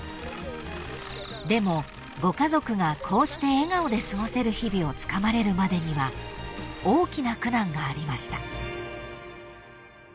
［でもご家族がこうして笑顔で過ごせる日々をつかまれるまでには大きな苦難がありました］